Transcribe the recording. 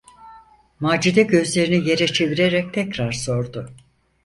Macide gözlerini yere çevirerek tekrar sordu: